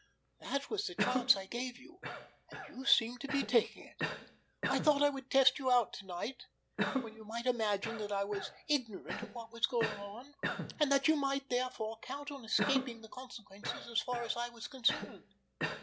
That was the chance I gave you, and you seem to be taking it. I thought I would test you out to night when you might imagine that I was ignorant of what was going on, and that you might, therefore, count on escaping the consequences as far as I was concerned.